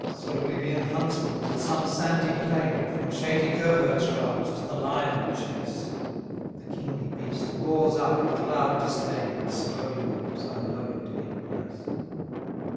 96 So Lybian huntsmen, on some sandy plain, From shady coverts roused, the lion chase: The kingly beast roars out with loud disdain, And slowly moves, unknowing to give place.